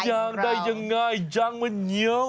กินยางได้อย่างไรยังมันเหนียว